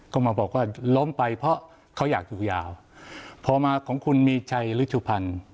ก็มาบอกว่าล้มไปเพราะเขาอยากอยู่ยาวพอมาของคุณมีชัยฤชุพันธ์